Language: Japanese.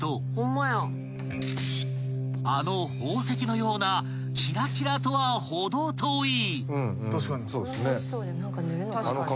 ［あの宝石のようなキラキラとは程遠い］